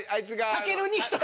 たけるに一言。